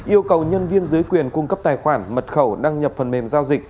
yêu cầu nhân viên dưới quyền cung cấp tài khoản mật khẩu đăng nhập phần mềm giao dịch